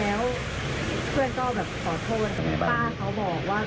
แล้วตอนเนี้ยเขาบอกว่า